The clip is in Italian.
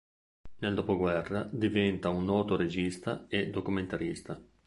Nel dopoguerra diventa un noto regista e documentarista.